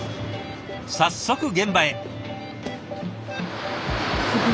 早速現場へ。